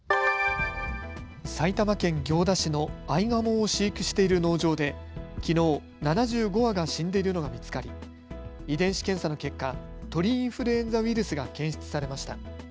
埼玉県行田市のアイガモを飼育している農場できのう７５羽が死んでいるのが見つかり遺伝子検査の結果鳥インフルエンザウイルスが検出されました。